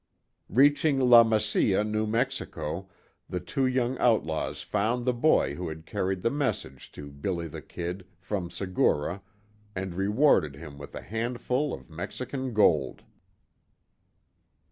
Reaching La Mesilla, New Mexico, the two young outlaws found the boy who had carried the message to "Billy the Kid," from Segura, and rewarded him with a handful of Mexican gold.